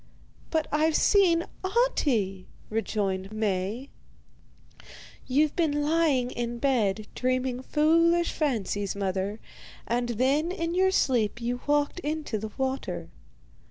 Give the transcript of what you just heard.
'But I've seen Ahti,' rejoined Maie. 'You've been lying in bed, dreaming foolish fancies, mother, and then in your sleep you walked into the water.